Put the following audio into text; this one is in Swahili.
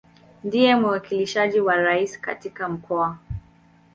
Ndiye mwakilishi wa Rais katika Mkoa.